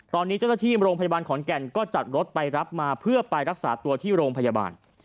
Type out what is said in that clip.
ตอนนี้เจ้าหน้าที่โรงพยาบาลขอนแก่นก็จัดรถไปรับมาเพื่อไปรักษาตัวที่โรงพยาบาล